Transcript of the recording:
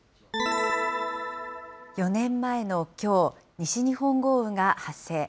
４年前のきょう、西日本豪雨が発生。